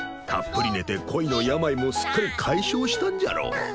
たっぷり寝て恋の病もすっかり解消したんじゃろ。